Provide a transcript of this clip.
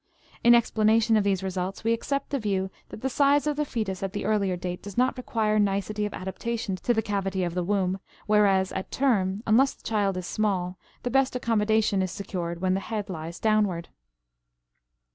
In explanation of these results we accept the view that the size of the fetus at the earlier date does not require nicety of adaptation to the cavity of the womb, whereas at term, unless the child is small, the best accommodation is secured when the head lies downward.